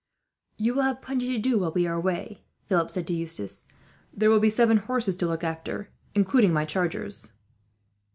"You will have plenty to do, while we are away," Philip said to Eustace. "There will be seven horses to look after, including my chargers."